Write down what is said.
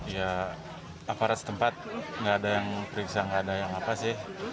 ya akurat setempat nggak ada yang periksa nggak ada yang apa sih